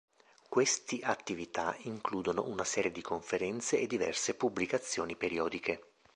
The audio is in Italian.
Questi attività includono una serie di conferenze e diverse pubblicazioni periodiche.